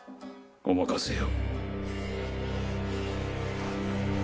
お任せを。